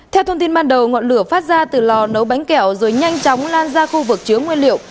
theo thông tin ban đầu ngọn lửa phát ra từ lò nấu bánh kẹo rồi nhanh chóng lan ra khu vực chứa nguyên liệu